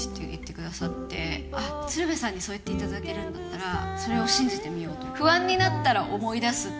鶴瓶さんにそう言っていただけるんだったらそれを信じてみようと。